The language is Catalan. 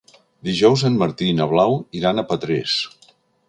Dijous en Martí i na Blau iran a Petrés.